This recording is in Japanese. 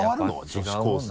女子高生。